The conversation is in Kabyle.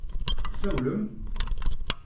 Tsawlem-d?